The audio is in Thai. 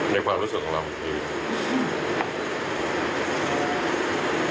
ในความรู้สึกของเรา